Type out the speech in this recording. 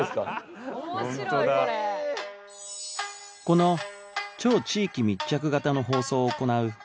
この超地域密着型の放送を行うあまみ